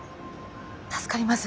助かります。